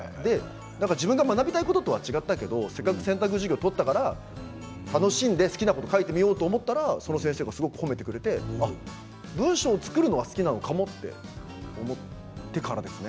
自分が学びたいこととは違ったけど、せっかく選択授業取ったから楽しんで好きなことを書いてみようと思ったらその先生がすごく褒めてくれて文章を作るのが好きなのかもって思ってからですね